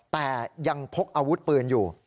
แต่ยังพกอาวุธปืนอยู่